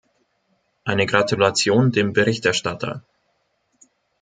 Eine Gratulation dem Berichterstatter!